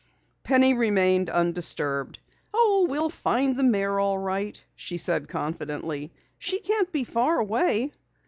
Penny remained undisturbed. "Oh, we'll find the mare all right," she said confidently. "She can't be far away."